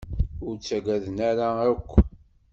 Ur ttaggaden ara akk.